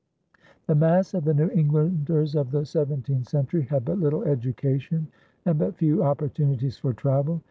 The mass of the New Englanders of the seventeenth century had but little education and but few opportunities for travel.